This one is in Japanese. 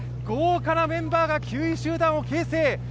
豪華なメンバーが９位集団を形成。